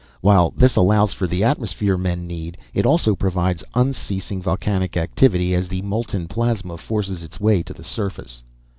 While this allows for the atmosphere men need, it also provides unceasing volcanic activity as the molten plasma forces its way to the surface."